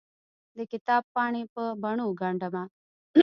دکتاب پاڼې په بڼو ګنډ مه